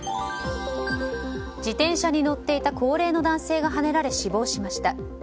自転車に乗っていた高齢の男性がはねられ死亡しました。